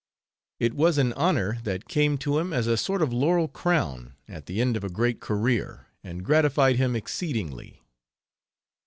It was an honor that came to him as a sort of laurel crown at the end of a great career, and gratified him exceedingly.